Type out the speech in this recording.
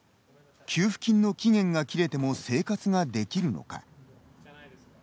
給付金の期限が切れても生活ができるのか。